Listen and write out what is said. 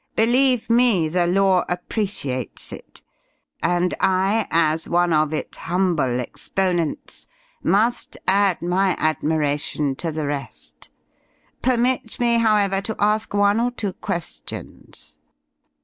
Believe me, the Law appreciates it, and I, as one of its humble exponents, must add my admiration to the rest. Permit me, however, to ask one or two questions.